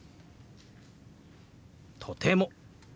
「とても」。